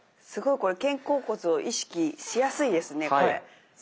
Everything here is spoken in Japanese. すごいこれ肩甲骨を意識しやすいですねこれ。